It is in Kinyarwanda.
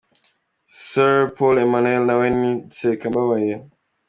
Sr. Paul Emmanuel nawe ni nsekambabaye.